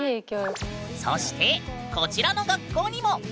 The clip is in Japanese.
そしてこちらの学校にも！